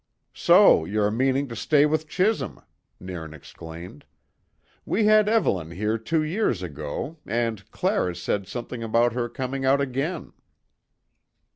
"So ye are meaning to stay with Chisholm," Nairn exclaimed. "We had Evelyn here two years ago and Clara said something about her coming out again."